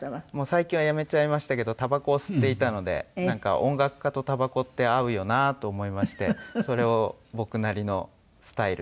最近はやめちゃいましたけどタバコを吸っていたのでなんか音楽家とタバコって合うよなと思いましてそれを僕なりのスタイルで描きました。